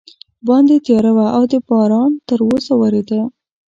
باندې تیاره وه او باران تراوسه ورېده.